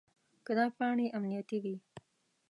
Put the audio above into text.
که دا پاڼې امنیتي وي.